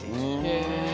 へえ。